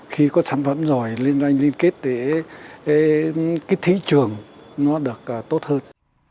khi có sản phẩm rồi liên doanh liên kết để cái thị trường nó được tốt hơn